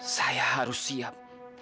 saya harus siap